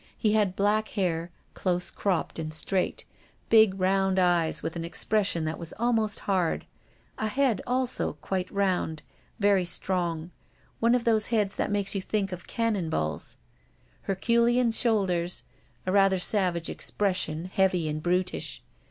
He had black hair, close cropped and straight, big, round eyes, with an expression that was almost hard, a head also quite round, very strong, one of those heads that make you think of cannon balls, herculean shoulders; a rather savage expression, heavy and brutish.